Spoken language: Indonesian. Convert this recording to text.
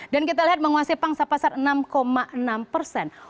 dan kita lihat menguasai pangsa pasar enam enam persen